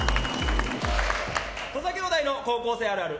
土佐兄弟の高校生あるある。